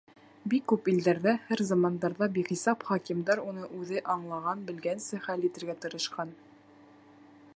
Бик күп илдәрҙә, һәр замандарҙа бихисап хакимдар уны үҙе аңлаған-белгәнсә хәл итергә тырышҡан.